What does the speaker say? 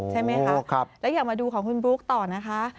ใช่ไหมคะแล้วอยากมาดูของคุณบลุ๊กต่อนะคะ